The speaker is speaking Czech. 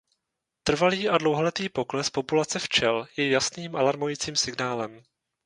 Trvalý a dlouholetý pokles populace včel je jasným alarmujícím signálem.